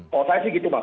kalau saya sih gitu mas